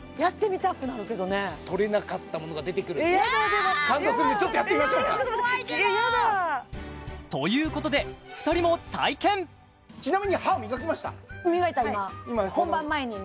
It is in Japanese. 取れなかったものが出てくるやだでも感動するんでちょっとやってみましょうかということで２人も体験ちなみに磨いた今本番前にね